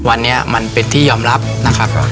วันนี้มันเป็นที่ยอมรับนะครับ